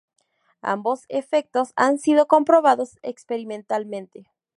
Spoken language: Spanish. Ambos efectos han sido comprobados experimentalmente.